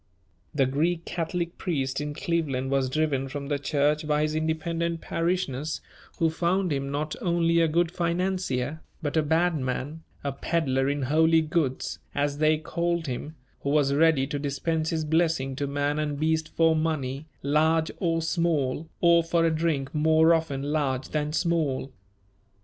The Greek Catholic priest in Cleveland was driven from the church by his independent parishioners, who found him not only a good financier, but a bad man, a "peddler in holy goods," as they called him, who was ready to dispense his blessing to man and beast for money, large or small, or for a drink more often large than small.